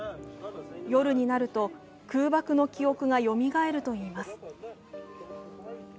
夜になると空爆の記憶がよみがえるといいます